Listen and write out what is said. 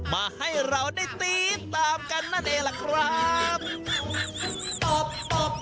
มาให้เราได้ตี๊ดตามกันนั่นเองล่ะครับตบตบ